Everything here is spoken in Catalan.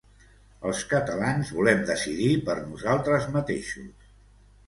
Els catalans volem decidir per nosaltres mateixos.